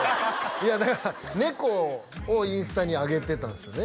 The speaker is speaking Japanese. いやだから猫をインスタに上げてたんですよね